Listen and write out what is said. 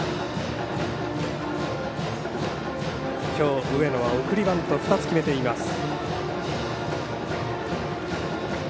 今日、上野は送りバントを２つ決めています。